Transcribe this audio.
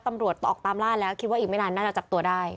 ตำรวจออกตามล่าแล้วคิดว่าอีกไม่นานน่าจะจับตัวได้